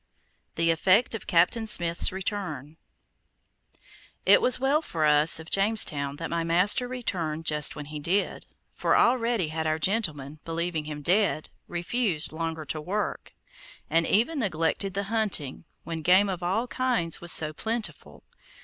THE EFFECT OF CAPTAIN SMITH'S RETURN It was well for us of Jamestown that my master returned just when he did, for already had our gentlemen, believing him dead, refused longer to work, and even neglected the hunting, when game of all kinds was so plentiful.